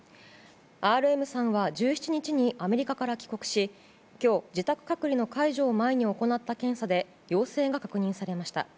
ＲＭさんは１７日にアメリカから帰国し今日、自宅隔離の解除を前に行った検査で陽性が確認されました。